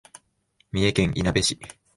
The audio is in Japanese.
三重県いなべ市